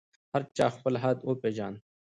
هر چا خپل حد وپېژاند.